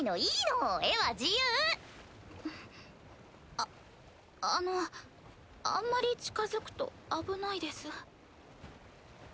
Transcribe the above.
ああのあんまり近づくと危ないです。